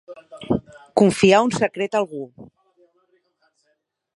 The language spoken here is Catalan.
Confiar un secret a algú.